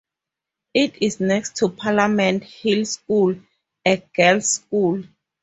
It is next to Parliament Hill School, a girls' school.